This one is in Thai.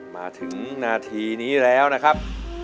มาถึงนาทีนี้แล้วนะครับ